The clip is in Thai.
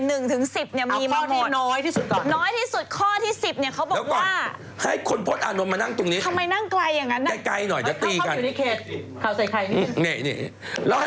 ดูเล่นสงกรรมที่ชกใจสี่มา